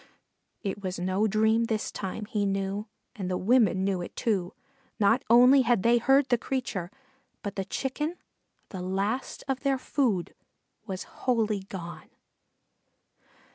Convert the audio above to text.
It was no dream this time, he knew, and the women knew it, too; not only had they heard the creature, but the Chicken, the last of their food, was wholly gone.